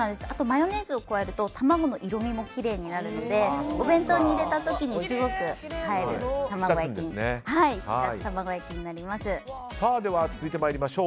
マヨネーズを加えると卵の色味もきれいになるのでお弁当に入れた時にすごく映える卵焼きになります。